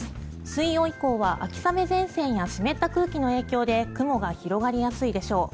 水曜以降は秋雨前線や湿った空気の影響で雲が広がりやすいでしょう。